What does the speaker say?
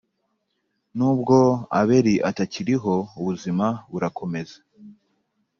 n ubwo abeli atakiriho ubuzima burakomeza